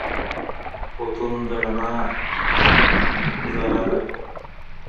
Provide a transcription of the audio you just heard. فوتون د رڼا ذره ده.